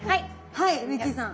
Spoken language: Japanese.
はいベッキーさん。